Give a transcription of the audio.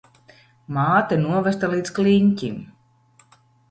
Māte novesta līdz kliņķim.